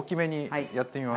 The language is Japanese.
はい。